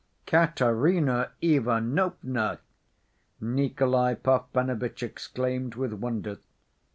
"Katerina Ivanovna!" Nikolay Parfenovitch exclaimed with wonder.